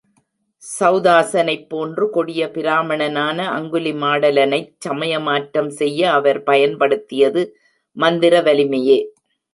செளதாசனைப்போன்று கொடிய பிராமணனான அங்குலிடமாலனைச் சமயமாற்றம் செய்ய அவர் பயன்படுத்தியது மந்திரவலிமையே.